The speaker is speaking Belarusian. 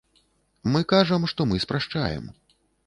Мы кажам, што мы спрашчаем.